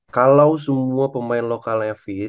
kalau semua pemain lokalnya fit